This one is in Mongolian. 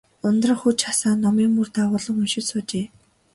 Ундрах хүж асаан, номын мөр дагуулан уншиж суужээ.